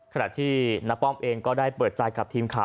ขณะที่น้าป้อมเองก็ได้เปิดใจกับทีมข่าว